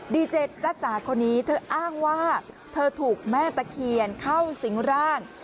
ดีเจจ้าจ๋าคนนี้เธออ้างว่าเธอถูกแม่ตะเคียนเข้าสิงร่าง